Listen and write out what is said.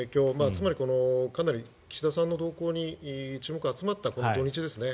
つまりかなり岸田さんの動向に注目が集まったこの土日ですね。